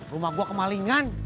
rumah gue kemalingan